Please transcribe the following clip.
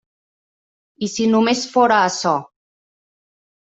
I si només fóra açò!